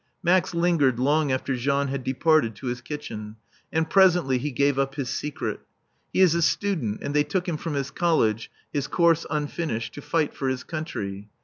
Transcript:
Max lingered long after Jean had departed to his kitchen. And presently he gave up his secret. He is a student, and they took him from his College (his course unfinished) to fight for his country.